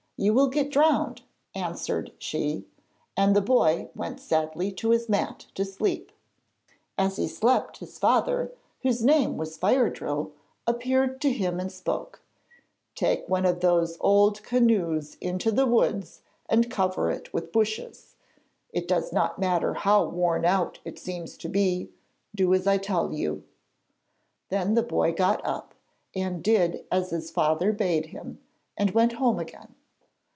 You will get drowned,' answered she, and the boy went sadly to his mat to sleep. As he slept, his father, whose name was Fire drill, appeared to him and spoke: 'Take one of those old canoes into the woods and cover it with bushes. It does not matter how worn out it seems to be; do as I tell you.' Then the boy got up and did as his father bade him, and went home again.